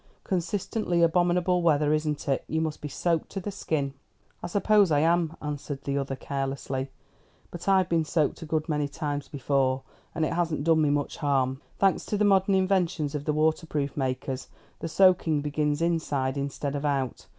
Consistently abominable weather, isn't it? You must be soaked to the skin." "I suppose I am," answered the other carelessly. "But I've been soaked a good many times before, and it hasn't done me much harm. Thanks to the modern inventions of the waterproof makers, the soaking begins inside instead of out.